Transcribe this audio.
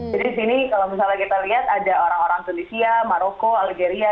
jadi di sini kalau misalnya kita lihat ada orang orang tunisia maroko algeria